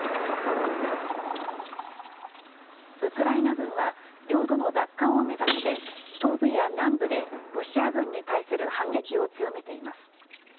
ウクライナ軍は、領土の奪還を目指して、東部や南部でロシア軍に対する反撃を強めています。